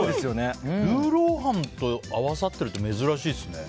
魯肉飯と合わさってるって珍しいですね。